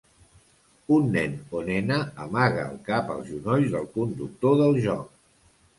Un nen o nena amaga el cap als genolls del conductor del joc.